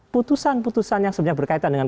putusan putusan yang sebenarnya berkaitan dengan